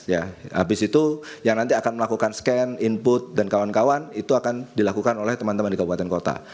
habis itu yang nanti akan melakukan scan input dan kawan kawan itu akan dilakukan oleh teman teman di kabupaten kota